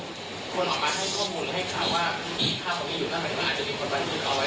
มีคาร์มของนี้อยู่ทางไหนไหม